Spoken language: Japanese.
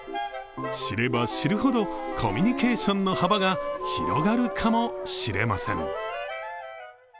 知れば知るほどコミュニケーションの幅が広がるかもしれません。